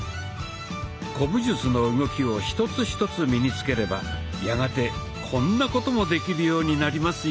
古武術の動きを一つ一つ身につければやがてこんなこともできるようになりますよ。